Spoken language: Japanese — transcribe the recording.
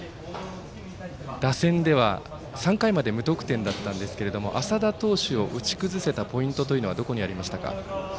打線では、３回まで無得点だったんですが淺田投手を打ち崩せたポイントはどこにありましたか？